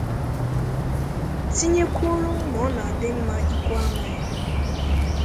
tinyekwuoro na ọ na-adị mma ikwu amaghị